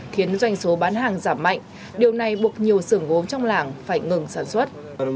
khiến doanh số bán hàng giảm mạnh điều này buộc nhiều sưởng gốm trong làng phải ngừng sản xuất